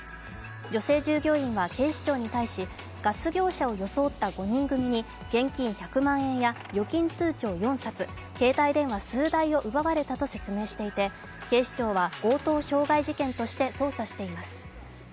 女性従業員は警視庁に対しガス業者を装った５人組に現金１００万円や預金通帳４冊、携帯電話数台を奪われたと説明していて、警視庁は強盗傷害事件として捜査しています。